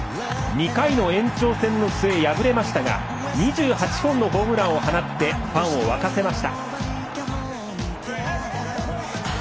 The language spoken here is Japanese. ２回の延長戦の末、敗れましたが２８本のホームランを放ってファンを沸かせました。